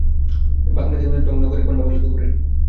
বাগানের দেউড়িতে ঢং ঢং করে ঘণ্টা বাজল বেলা দুপুরের।